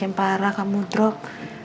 kau makin parah kamu drop